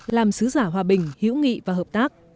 làm xứ giả hòa bình hữu nghị và hợp tác